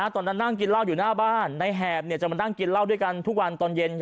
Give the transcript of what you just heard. ตอนนั้นนั่งกินเหล้าอยู่หน้าบ้านในแหบจะมานั่งกินเหล้าด้วยกันทุกวันตอนเย็น